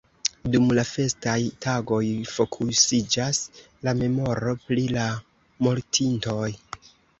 Dum la festaj tagoj fokusiĝas la memoro pri la mortintoj.